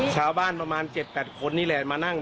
ชาวบ้านประมาน๗๘คนนี่แหละมานั่ง